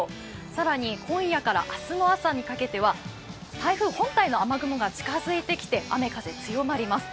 更に今夜から明日の朝にかけては台風本体の雨雲が近づいてきて雨風強まります。